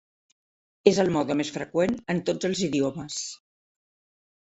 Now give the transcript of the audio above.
És el mode més freqüent en tots els idiomes.